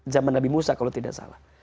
zaman nabi musa kalau tidak salah